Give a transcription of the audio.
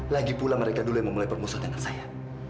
lagi pula mereka dulu yang memulai permusuh dengan saya